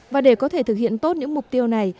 và để có thể thực hiện tốt những mục tiêu này